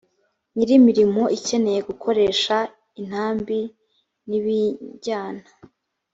nyir imirimo ikeneye gukoresha intambi n ibijyana